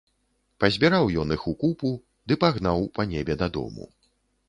Пазбіраў ён іх у купу ды пагнаў па небе дадому.